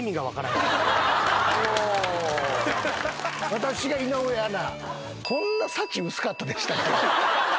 私が井上アナ。